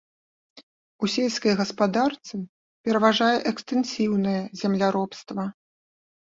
У сельскай гаспадарцы пераважае экстэнсіўнае земляробства.